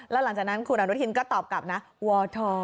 แล้วหลังจากนั้นคุณอนุทินก็ตอบกลับนะวท